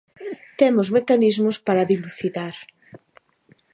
Temos mecanismos para dilucidar.